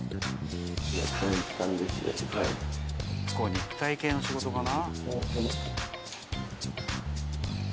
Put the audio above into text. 肉体系の仕事かな？